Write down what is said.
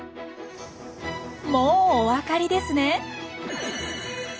もうおわかりですね。